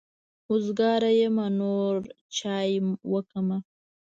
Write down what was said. وزګاره يمه نور چای وکمه.